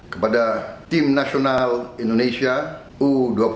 kepada tim nasional indonesia u dua puluh